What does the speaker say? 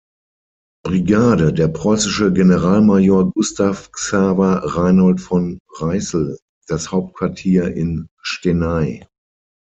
Brigade, der preußische Generalmajor Gustav Xaver Reinhold von Ryssel, das Hauptquartier in Stenay.